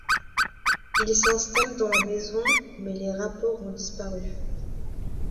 Ils s'installent dans la maison, mais les rapports ont disparu.